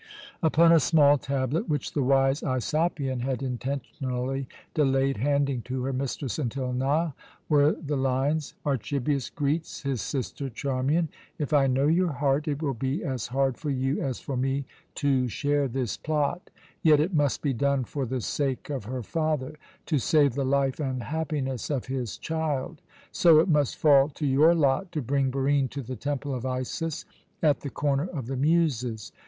Upon a small tablet, which the wise Aisopion had intentionally delayed handing to her mistress until now, were the lines: "Archibius greets his sister Charmian. If I know your heart, it will be as hard for you as for me to share this plot, yet it must be done for the sake of her father, to save the life and happiness of his child. So it must fall to your lot to bring Barine to the Temple of Isis at the Corner of the Muses.